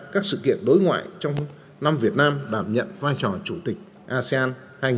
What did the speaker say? các sự kiện đối ngoại trong năm việt nam đảm nhận vai trò chủ tịch asean